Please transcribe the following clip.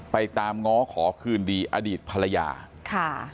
ไปตามง้อขอคืนดีอดีตภรรยา